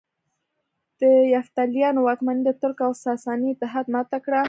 د یفتلیانو واکمني د ترک او ساساني اتحاد ماته کړه